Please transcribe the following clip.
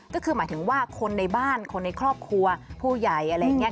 ก็คือหมายถึงว่าคนในบ้านคนในครอบครัวผู้ใหญ่อะไรอย่างนี้